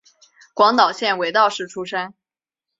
广岛县尾道市出身。